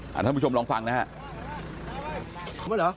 ท่านผู้ชมลองฟังนะฮะ